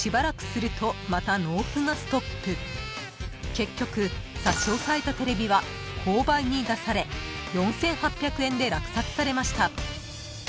［結局差し押さえたテレビは公売に出され４，８００円で落札されました］